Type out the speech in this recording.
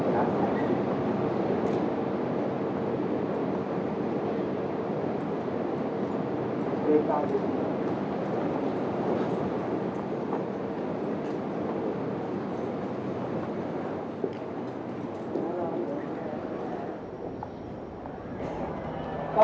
สวัสดีครับสวัสดีครับสวัสดีครับสวัสดีครับสวัสดีครับ